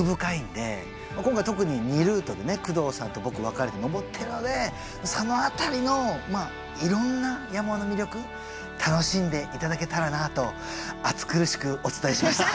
今回特に２ルートでね工藤さんと僕分かれて登ってるのでその辺りのいろんな山の魅力楽しんでいただけたらなあと暑苦しくお伝えしました。